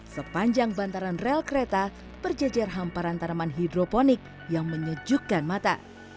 sepanjang bantaran rel kereta berjejer hamparan tanaman hidroponik yang menyejukkan mata